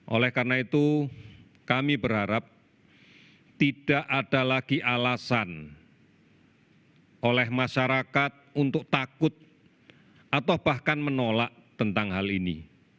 oleh karena itu kami berharap tidak ada lagi alasan oleh masyarakat untuk takut atau bahkan menolak tentang hal ini